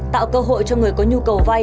tạo cơ hội cho người có nhu cầu vay